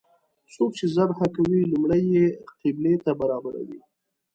څوک چې ذبحه کوي لومړی یې قبلې ته برابروي.